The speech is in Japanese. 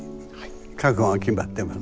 覚悟は決まってます。